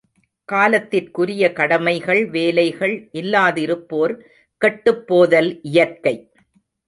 காலத்திற்குரிய கடமைகள், வேலைகள் இல்லாதிருப்போர் கெட்டுப் போதல் இயற்கை.